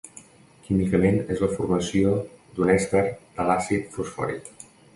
Químicament és la formació d'un èster de l'àcid fosfòric.